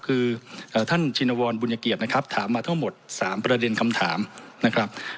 คือท่านชินวรบุญเกียรตินะครับถามมาทั้งหมด๓ประเด็นคำถามนะครับ